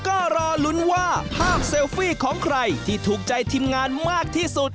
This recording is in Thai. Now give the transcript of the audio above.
ก็รอลุ้นว่าภาพเซลฟี่ของใครที่ถูกใจทีมงานมากที่สุด